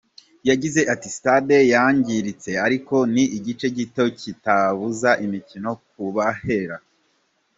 Yagize ati "Stade yangiritse ariko ni igice gito kitabuza imikino kuhabera.